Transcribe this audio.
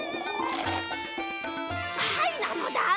はいなのだ。